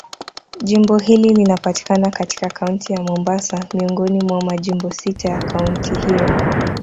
Jimbo hili linapatikana katika Kaunti ya Mombasa, miongoni mwa majimbo sita ya kaunti hiyo.